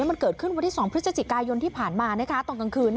มันเกิดขึ้นวันที่๒พฤศจิกายนที่ผ่านมาตอนกลางคืน